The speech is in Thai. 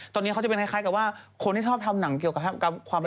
ตอนนี้เขาจะเป็นคล้ายกับว่าคนที่ชอบทำหนังเกี่ยวกับความเป็น